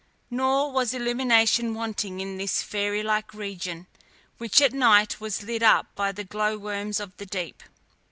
Nor was illumination wanting in this fairy like region, which at night was lit up by the glow worms of the deep.